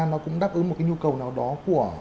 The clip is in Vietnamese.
nó cũng đáp ứng một cái nhu cầu nào đó của